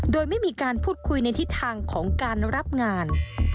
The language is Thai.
โดยไม่มีการพูดคุยในทิศทางของการรับงาน